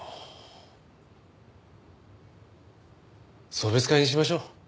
送別会にしましょう。